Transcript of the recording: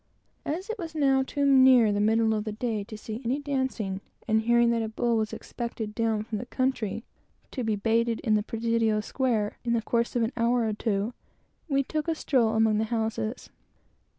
As it was now too near the middle of the day to see any dancing and hearing that a bull was expected down from the country, to be baited in the presidio square, in the course of an hour or two we took a stroll among the houses.